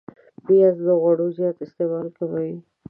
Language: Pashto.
پیاز د غوړو زیات استعمال کموي